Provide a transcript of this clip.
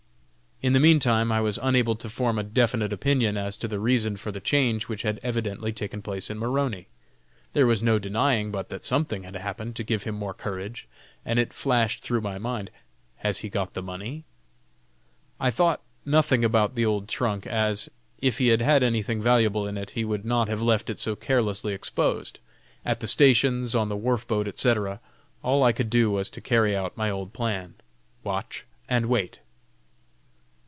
In the meantime, I was unable to form a definite opinion as to the reason for the change which had evidently taken place in Maroney. There was no denying but that something had happened to give him more courage, and it flashed through my mind: Has he got the money? I thought nothing about the old trunk, as, if he had had anything valuable in it, he would not have left it so carelessly exposed, at the stations, on the wharf boat, etc. All I could do was to carry out my old plan: "Watch and wait."